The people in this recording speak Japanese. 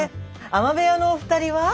海女部屋のお二人は？